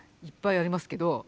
いっぱいありますけど。